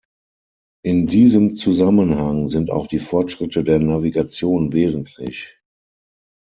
In diesem Zusammenhang sind auch die Fortschritte der Navigation wesentlich.